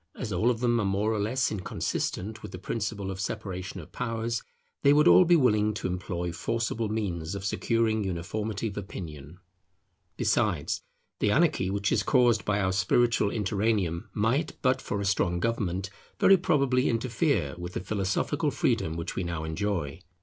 As all of them are more or less inconsistent with the principle of separation of powers, they would all be willing to employ forcible means of securing uniformity of opinion. Besides, the anarchy which is caused by our spiritual interregnum, might, but for a strong government, very probably interfere with the philosophical freedom which we now enjoy.